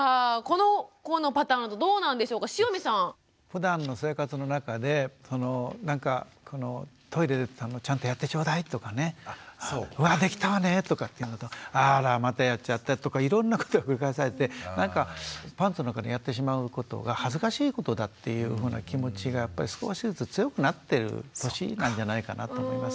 ふだんの生活の中でなんかトイレちゃんとやってちょうだいとかねうわできたわねとかっていうのとあらまたやっちゃったとかいろんなことが繰り返されてなんかパンツの中でやってしまうことが恥ずかしいことだっていうふうな気持ちがやっぱり少しずつ強くなってる年なんじゃないかなと思いますね。